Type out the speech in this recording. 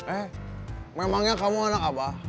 eh memangnya kamu anak abah